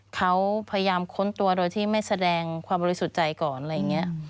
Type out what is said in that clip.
เขาพยายามค้นตัวโดยที่ไม่แสดงความบริสุทธิ์ใจก่อนอะไรอย่างนี้